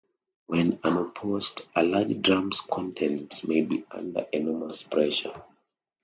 When unopened, a large drum's contents may be under enormous pressure.